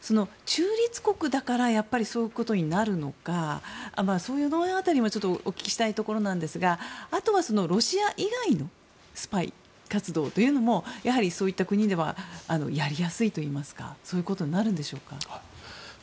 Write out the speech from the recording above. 中立国だからそういうことになるのかその辺りもお聞きしたいところですがあとはロシア以外のスパイ活動というのもやはりそういった国ではやりやすいといいますかそういうことになるんでしょうか。